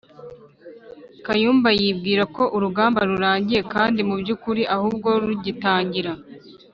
Kayumba yibwira ko urugamba rurangiye kandi mubyukuri ahubwo rugitangira